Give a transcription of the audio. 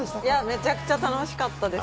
めちゃくちゃ楽しかったです。